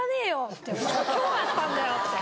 今日会ったんだよって。